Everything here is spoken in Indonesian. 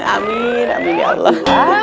amin amin ya allah